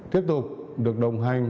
tiếp tục được đồng hành